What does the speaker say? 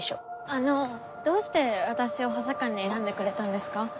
あのどうして私を補佐官に選んでくれたんですか？